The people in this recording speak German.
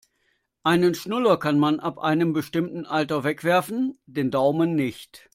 Einen Schnuller kann man ab einem bestimmten Alter wegwerfen, den Daumen nicht.